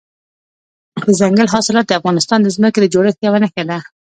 دځنګل حاصلات د افغانستان د ځمکې د جوړښت یوه نښه ده.